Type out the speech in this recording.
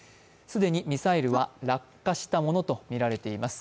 既にミサイルは落下したものとみられています。